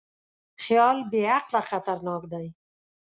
خیال بېعقله خطرناک دی.